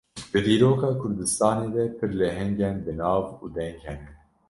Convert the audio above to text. Di dîroka Kurdistanê de pir lehengên bi nav û deng hene